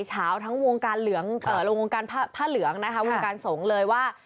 เช้าทั้งวงการลงวงการผ้าเหลืองนะคะวงการสงฆ์เลยว่า